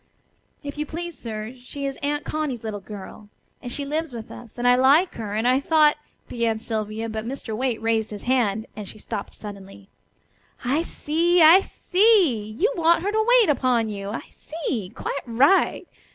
"If you please, sir, she is Aunt Connie's little girl, and she lives with us, and I like her, and I thought " began Sylvia, but Mr. Waite raised his hand, and she stopped suddenly. "I see! I see! You want her to wait upon you. I see. Quite right.